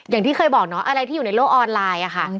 อย่างที่เคยบอกเนาะอะไรที่อยู่ในโลกออนไลน์อะค่ะ